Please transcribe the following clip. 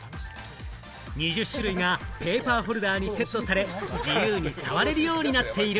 ２０種類がペーパーホルダーにセットされ、自由に触れるようになっている。